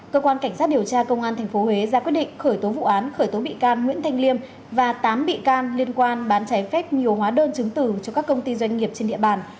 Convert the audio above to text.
cơ quan cảnh sát điều tra công an tp huế ra quyết định khởi tố vụ án khởi tố bị can nguyễn thanh liêm và tám bị can liên quan bán trái phép nhiều hóa đơn chứng từ cho các công ty doanh nghiệp trên địa bàn